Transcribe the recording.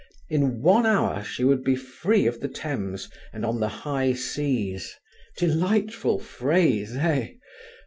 In one hour she would be free of the Thames and on the high seas (delightful phrase, eh?)